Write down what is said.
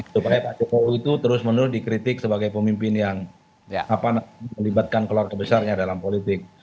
supaya pak jokowi itu terus menerus dikritik sebagai pemimpin yang melibatkan keluarga besarnya dalam politik